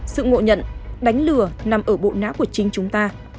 sự ngộ nhận đánh lừa nằm ở bộ nã của chính chúng ta